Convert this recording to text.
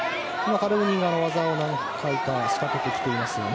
カルグニンは技を何回か仕掛けてきていますよね。